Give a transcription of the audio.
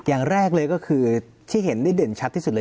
อย่างแรกเลยก็คือที่เห็นได้เด่นชัดที่สุดเลย